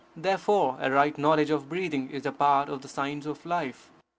Therefore a right knowledge of breathing is a part of the science of life.